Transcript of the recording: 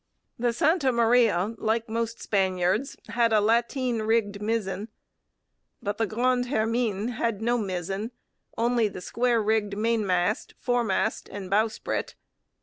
The Santa Maria, like most 'Spaniards,' had a lateen rigged mizzen. But the Grande Hermine had no mizzen, only the square rigged mainmast, foremast, and bowsprit.